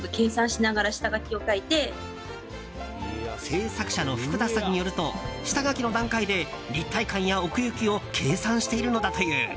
制作者の福田さんによると下書きの段階で立体感や奥行きを計算しているのだという。